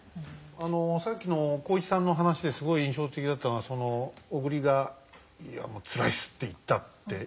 あのさっきの浩市さんの話ですごい印象的だったのは小栗が「つらいっす」って言ったって。